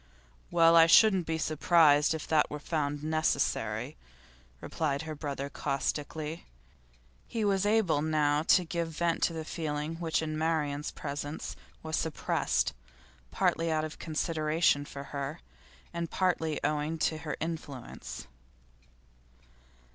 'Well, I shouldn't be surprised if that were found necessary,' replied her brother caustically. He was able now to give vent to the feeling which in Marian's presence was suppressed, partly out of consideration for her, and partly owing to her influence.